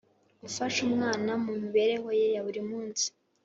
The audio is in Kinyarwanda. gufasha umwana mu mibereho ye ya buri munsi